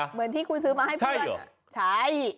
เหมือนที่คุณซื้อมาให้เพื่อนใช่